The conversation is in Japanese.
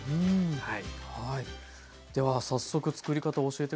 はい。